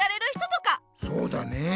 そうだねえ。